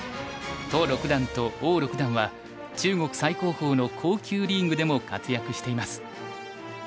屠六段と王六段は中国最高峰の甲級リーグでも活躍しています。